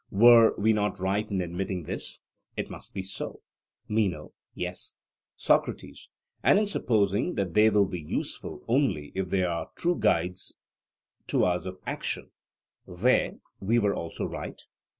Were we not right in admitting this? It must be so. MENO: Yes. SOCRATES: And in supposing that they will be useful only if they are true guides to us of action there we were also right?